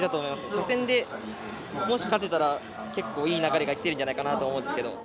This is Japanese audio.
初戦でもし勝てたら結構いい流れがきてるんじゃないかなと思うんですけど。